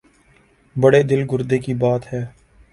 بڑے دل گردے کی بات ہے۔